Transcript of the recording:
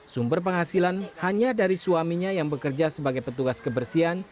sumber penghasilan hanya dari suaminya yang bekerja sebagai petugas kebersihan